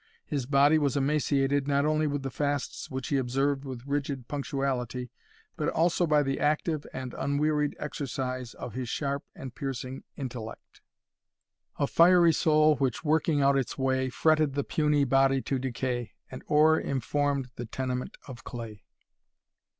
His body was emaciated not only with the fasts which he observed with rigid punctuality, but also by the active and unwearied exercise of his sharp and piercing intellect; A fiery soul, which working out its way, Fretted the puny body to decay, And o'er informed the tenement of clay.